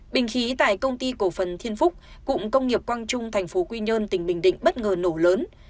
bình khí tại công ty cổ phần thiên phúc cụng công nghiệp quang trung thành phố quy nhơn tỉnh bình định bất ngờ nổ lớn